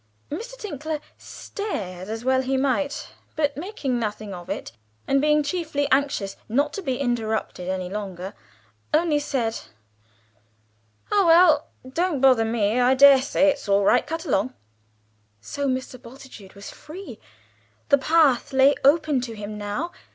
Mr. Tinkler stared, as well he might, but making nothing of it, and being chiefly anxious not to be interrupted any longer, only said, "Oh, well, don't bother me; I daresay it's all right. Cut along!" So Mr. Bultitude was free; the path lay open to him now.